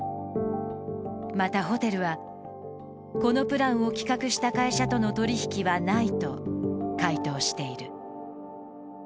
またホテルは、このプランを企画した会社との取り引きはないと回答している。